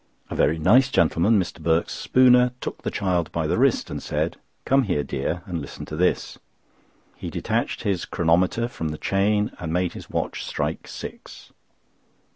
A very nice gentleman, Mr. Birks Spooner, took the child by the wrist and said: "Come here, dear, and listen to this." He detached his chronometer from the chain and made his watch strike six.